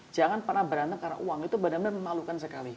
jangan pernah berantem karena uang itu benar benar memalukan sekali